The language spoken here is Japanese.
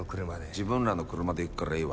自分らの車で行くからいいわ。